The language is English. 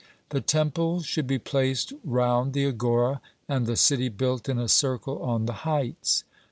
The temples should be placed round the Agora, and the city built in a circle on the heights.